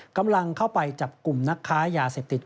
กำลังเข้าไปจับกลุ่มนักค้ายาเสพติด